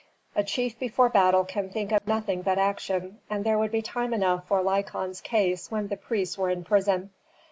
A chief before battle can think of nothing but action, and there would be time enough for Lykon's case when the priests were in prison.